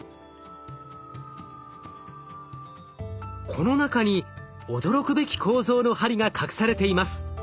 この中に驚くべき構造の針が隠されています。